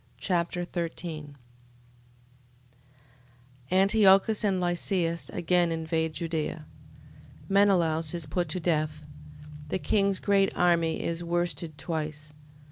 2 Machabees Chapter 13 Antiochus and Lysias again invade Judea. Menelaus is put to death. The king's great army is worsted twice.